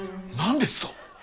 何ですと！